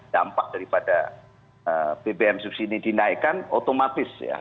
dampak daripada bbm subsidi dinaikkan otomatis ya